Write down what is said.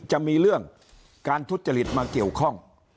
จะมีเรื่องการทุจริตมาเกี่ยวข้อง